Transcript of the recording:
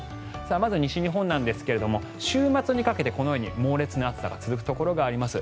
まず西日本ですが週末にかけて猛烈な暑さが続くところがあります。